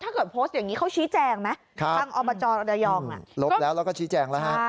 ถ้าเกิดโพสต์อย่างนี้เขาชี้แจงครั้งอบจระยองลบแล้วก็ชี้แจงแล้ว